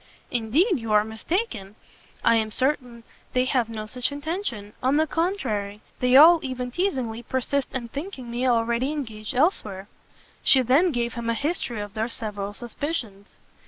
"Indeed you are mistaken; I am certain they have no such intention: on the contrary, they all even teasingly persist in thinking me already engaged elsewhere." She then gave him a history of their several suspicions.